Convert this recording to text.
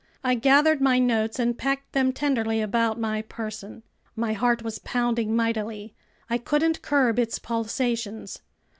I gathered my notes and packed them tenderly about my person. My heart was pounding mightily. I couldn't curb its pulsations.